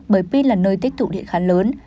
bởi pin là nơi tích thụ điện khá lớn